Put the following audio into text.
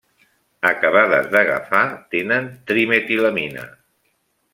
Acabades d'agafar tenen trimetilamina.